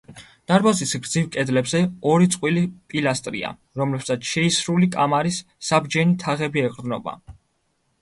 დარბაზის გრძივ კედლებზე ორი წყვილი პილასტრია, რომლებსაც შეისრული კამარის საბჯენი თაღები ეყრდნობა.